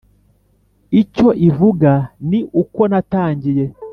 icyo ivuga Ni uko natangiye